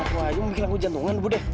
kamu yang bikin aku jantungan budi